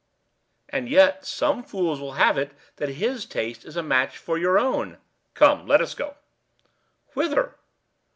"And yet some fools will have it that his taste is a match for your own." "Come, let us go." "Whither?"